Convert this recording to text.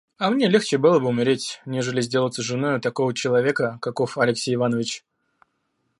А мне легче было бы умереть, нежели сделаться женою такого человека, каков Алексей Иванович.